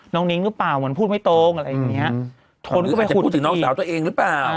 น้องนิ้งหรือเปล่ามันพูดไม่ตรงอะไรอย่างเงี้ยคนก็ไปขุดอีกอาจจะพูดถึงน้องสาวตัวเองหรือเปล่า